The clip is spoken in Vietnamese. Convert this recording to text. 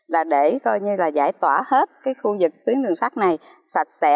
là để coi như là giải tỏa hết cái khu vực tuyến đường sắt này sạch sẽ